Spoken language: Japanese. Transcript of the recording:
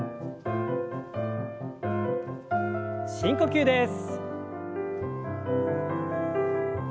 深呼吸です。